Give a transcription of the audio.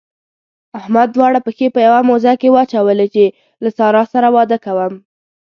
احمد دواړه پښې په يوه موزه کې واچولې چې له سارا سره واده کوم.